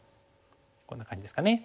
こんな感じですかね。